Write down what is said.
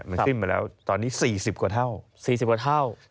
มันขึ้นมาแล้วตอนนี้๔๐กว่าเท่า